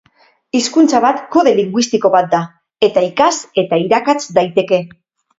Hizkuntza bat kode linguistiko bat da. Eta ikas eta irakats daiteke.